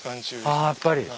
あやっぱり。